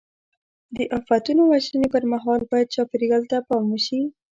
د آفتونو وژنې پر مهال باید چاپېریال ته پام وشي.